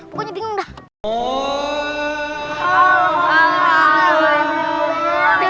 pokoknya bingung dah